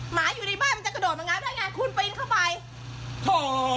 หมาอยู่ในบ้านมันจะกระโดดมางัดได้ไงคุณปีนเข้าไปโห